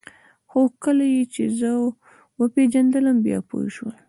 خو کله یې چې زه وپېژندلم بیا پوه شول